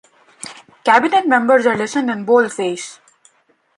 Cabinet members are listed in bold face.